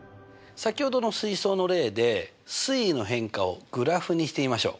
先ほどの水槽の例で水位の変化をグラフにしてみましょう。